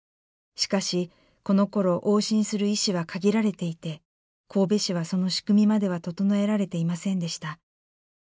しかしこのころ往診する医師は限られていて神戸市はその仕組みまでは整えられていませんでした。